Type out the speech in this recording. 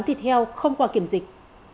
thịt heo không qua kiểm dịch